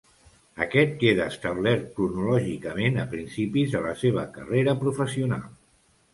Aquest queda establert cronològicament a principis de la seva carrera professional.